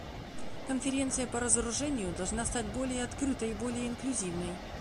Конференция по разоружению должна стать более открытой и более инклюзивной.